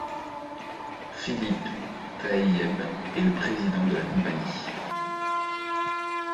Philippe Taïeb est le président de la compagnie.